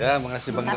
ya makasih banget